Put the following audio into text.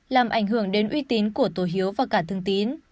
làm ảnh hưởng đến uy tín của tổ hiếu và cả thương tín